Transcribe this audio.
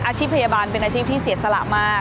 อาชีพพยาบาลเป็นอาชีพที่เสียสละมาก